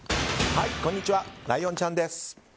こんにちはライオンちゃんです。